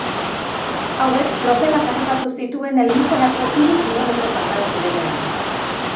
Hauek tropelak harrapatu zituen helmugarako hiru kilometro falta zirenean.